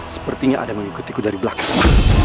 sepertinya ada yang mengikuti saya dari belakang